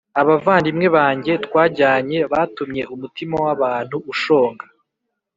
Abavandimwe banjye twajyanye batumye umutima w abantu ushonga